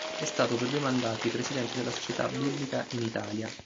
È stato per due mandati presidente della Società Biblica in Italia.